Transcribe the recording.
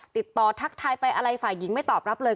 ทักทายไปอะไรฝ่ายหญิงไม่ตอบรับเลย